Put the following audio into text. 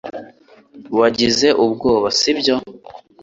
Wagize ubwoba si byo